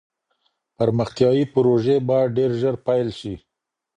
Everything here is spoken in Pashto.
پرمختیایي پروژې باید ډېر ژر پیل سي.